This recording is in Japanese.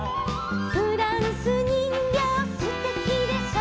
「フランスにんぎょうすてきでしょ」